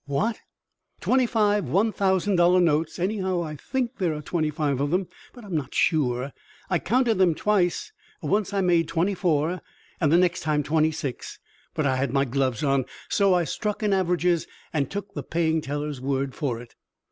"What?" "Twenty five one thousand dollar notes. Anyhow, I think there are twenty five of them, but I'm not sure. I counted them twice: once I made twenty four and the next time twenty six, but I had my gloves on; so I struck an averages and took the paying teller's word for it."